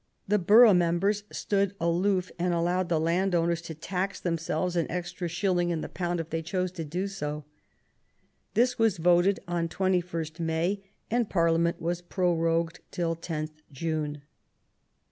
The borough members stood aloof, and allowed the landholders to tax themselves an extra VII RENEWAL OF PEACaS 106 shilling in the pound if they chose to do so. This was voted on 21st May, and Parliament was prorogued till 10th June.